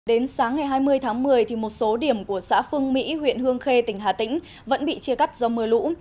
đến sáng ngày hai mươi tháng một mươi một số điểm của xã phương mỹ huyện hương khê tỉnh hà tĩnh vẫn bị chia cắt do mưa lũ